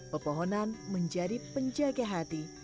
pepohonan menjadi penjaga hati